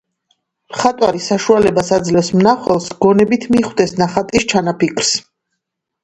მხატვარი საშუალებას აძლევს მნახველს, გონებით მიხვდეს ნახატის ჩანაფიქრს.